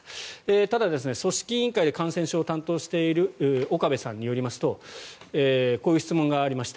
ただ、組織委員会で感染症を担当している岡部さんによりますとこういう質問がありました。